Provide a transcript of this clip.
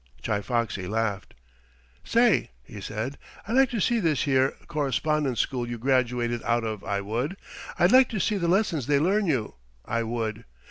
Chi Foxy laughed. "Say," he said, "I'd like to see this here Correspondence School you graduated out of, I would. I'd like to see the lessons they learn you, I would.